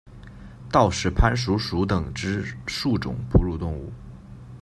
道氏攀鼠属等之数种哺乳动物。